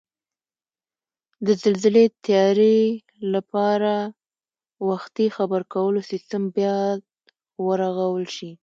د زلزلې تیاري لپاره وختي خبرکولو سیستم بیاد ورغول شي